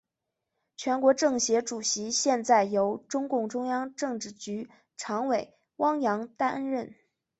全国政协主席现在由中共中央政治局常委汪洋担任。